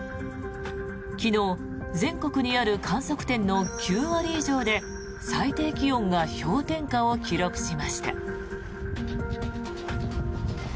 昨日、全国にある観測点の９割以上で最低気温が氷点下を記録しました。